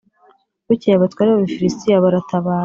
Bukeye abatware b’Abafilisitiya baratabara